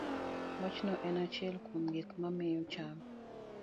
Wachno en achiel kuom gik mamiyo cham